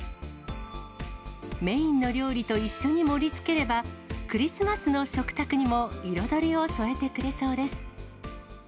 メインの料理と一緒に盛りつければ、クリスマスの食卓にも彩りを添えてくれそうです。